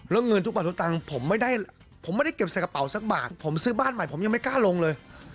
แล้วเงินทุกบาททุกตังค์ผมไม่ได้ผมไม่ได้เก็บใส่กระเป๋าสักบาทผมซื้อบ้านใหม่ผมยังไม่กล้าลงเลย